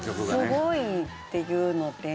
すごいっていうので。